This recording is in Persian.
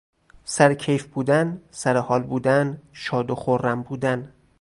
سر کیف بودن، سر حال بودن، شاد و خرم بودن